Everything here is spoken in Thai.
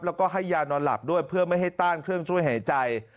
แล้วก็ให้ยานอนหลับด้วยเพื่อไม่ให้ต้านเครื่องช่วยหายใจ